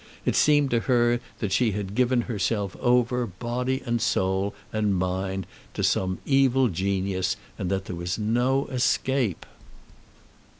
It seemed to her that she had given herself over body and soul and mind to some evil genius, and that there was no escape.